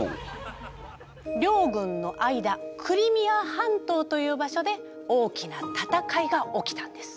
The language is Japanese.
両軍の間クリミア半島という場所で大きな戦いが起きたんです。